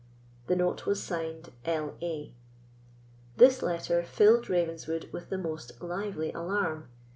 The note was signed "L.A." This letter filled Ravenswood with the most lively alarm.